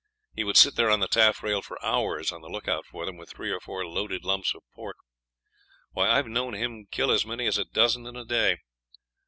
He would sit there on the taffrail for hours on the lookout for them, with three or four loaded lumps of pork. Why, I have known him kill as many as a dozen in a day.